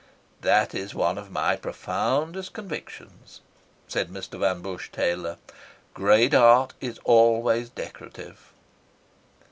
"That is one of my profoundest convictions," said Mr. Van Busche Taylor. "Great art is always decorative."